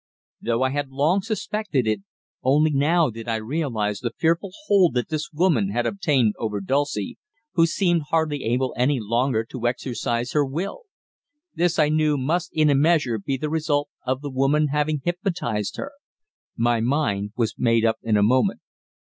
Though I had long suspected it, only now did I realize the fearful hold that this woman had obtained over Dulcie, who seemed hardly able any longer to exercise her will. This, I knew, must in a measure be the result of the woman's having hypnotized her. My mind was made up in a moment.